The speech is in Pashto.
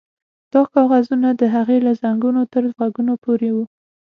دا کاغذونه د هغې له زنګنو تر غوږونو پورې وو